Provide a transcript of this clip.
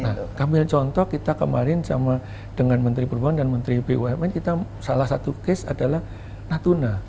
nah ambil contoh kita kemarin sama dengan menteri perubahan dan menteri bumn salah satu kes adalah natuna